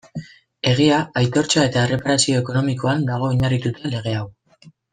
Egia, aitortza eta erreparazio ekonomikoan dago oinarrituta lege hau.